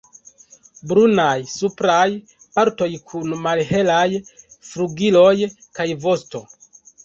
Brunaj supraj partoj, kun malhelaj flugiloj kaj vosto.